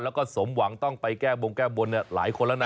แล้วก็สมหวังต้องไปแก้บงแก้บนหลายคนแล้วนะ